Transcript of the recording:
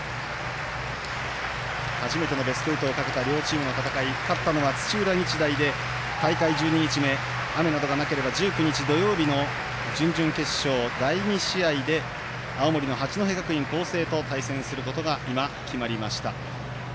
初めてのベスト８をかけた両チームの戦い勝ったのは土浦日大で大会１２日目雨などがなければ１９日土曜日の準々決勝第２試合で青森の八戸学院光星と対戦することが今、決まりました。